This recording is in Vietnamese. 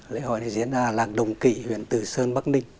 lễ hội này diễn ra làng đồng kỵ huyện từ sơn bắc ninh